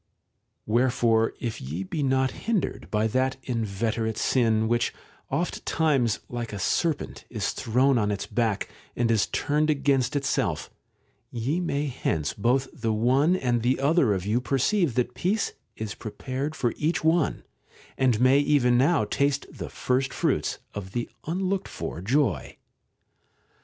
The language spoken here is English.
§ o> Wherefore if ye be not hindered by that inveterate sin, which oft times, like a serpent, is thrown on its back, and is turned against itself, ye may hence both the one and the other of you perceive that peace is prepared for EPISTOLA V 61 each one, and may even now taste the first fruits of the unlooked for joy.